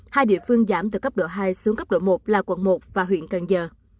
hai địa phương giảm từ cấp độ hai xuống cấp độ một là quận một và huyện cần giờ